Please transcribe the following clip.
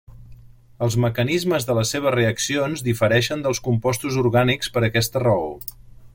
Els mecanismes de les seves reaccions difereixen dels compostos orgànics per aquesta raó.